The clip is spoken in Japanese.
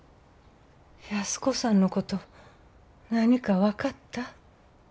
安子さんのこと何か分かった？